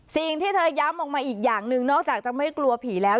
สิ่งที่เธอย้ำออกมาอีกอย่างหนึ่งนอกจากจะไม่กลัวผีแล้ว